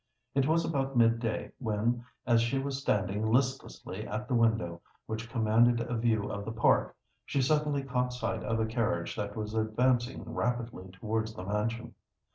It was about mid day, when, as she was standing listlessly at the window, which commanded a view of the park, she suddenly caught sight of a carriage that was advancing rapidly towards the mansion.